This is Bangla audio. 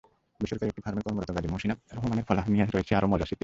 বেসরকারি একটি ফার্মে কর্মরত গাজী মোহসিনা রহমানের ফলাহার নিয়ে রয়েছে আরও মজার স্মৃতি।